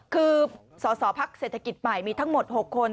คือสสพักเศรษฐกิจใหม่มีทั้งหมด๖คน